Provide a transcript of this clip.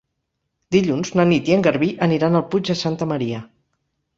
Dilluns na Nit i en Garbí aniran al Puig de Santa Maria.